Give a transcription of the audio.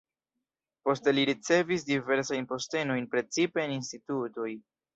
Poste li ricevis diversajn postenojn, precipe en institutoj.